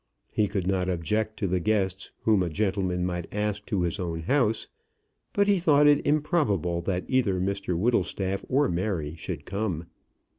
He could not object to the guests whom a gentleman might ask to his own house; but he thought it improbable that either Mr Whittlestaff or Mary should come.